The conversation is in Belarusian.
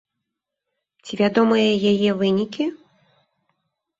Ці вядомыя яе вынікі?